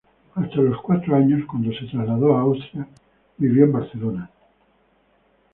Hasta los cuatro años, cuando se trasladó a Austria, vivió en Barcelona.